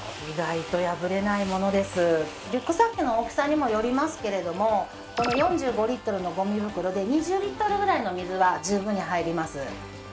リュックサックの大きさにもよりますけれどもこの４５リットルのゴミ袋で２０リットルぐらいの水は十分に入ります。